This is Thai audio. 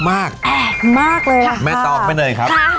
มากเลยค่ะแม่ตอบเบนเนยครับค่ะ